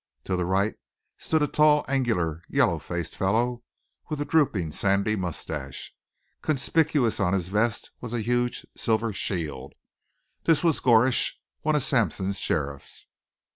To the right stood a tall, angular, yellow faced fellow with a drooping, sandy mustache. Conspicuous on his vest was a huge silver shield. This was Gorsech, one of Sampson's sheriffs.